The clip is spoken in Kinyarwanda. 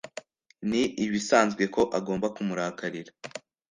Ni ibisanzwe ko agomba kumurakarira